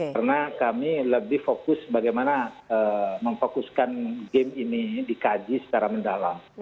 karena kami lebih fokus bagaimana memfokuskan game ini dikaji secara mendalam